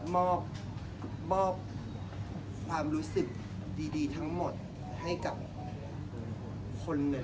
มอบความรู้สึกดีทั้งหมดให้กับคนหนึ่ง